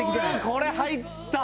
これ入った！